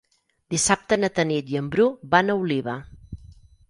Dissabte na Tanit i en Bru van a Oliva.